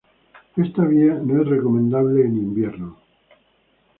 Esta vía no es recomendable en invierno.